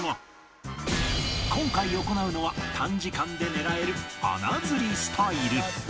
今回行うのは短時間で狙える穴釣りスタイル